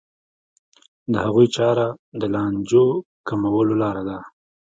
د هغوی چاره د لانجو کمولو لاره ده.